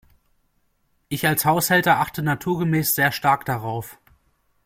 Ich als Haushälter achte naturgemäß sehr stark darauf.